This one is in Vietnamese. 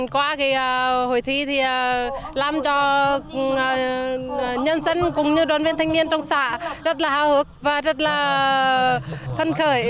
qua hội thi thì làm cho nhân dân cũng như đoàn viên thanh niên trong xã rất là hào hức và rất là thân khởi